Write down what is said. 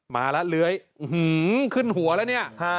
มาแล้วเลื้อยขึ้นหัวแล้วเนี่ย